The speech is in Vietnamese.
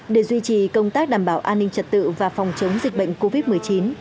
để duy trì công tác đảm bảo an ninh trật tự và phòng chống dịch bệnh covid một mươi chín